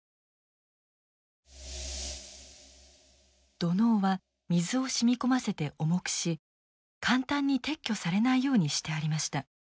土のうは水を染み込ませて重くし簡単に撤去されないようにしてありました。